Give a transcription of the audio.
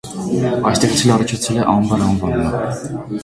Այստեղից էլ առաջացել է «ամբար» անվանումը։